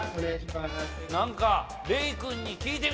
何か。